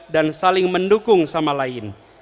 dan saling mendukung sama lain